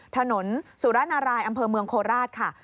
ถนนสุรนารายอำเภอเมืองโคราชค่ะ